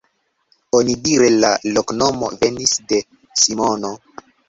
Onidire la loknomo venis de Simono.